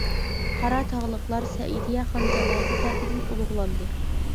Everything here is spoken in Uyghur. قارا تاغلىقلار سەئىدىيە خان جەمەتى تەرىپىدىن ئۇلۇغلاندى.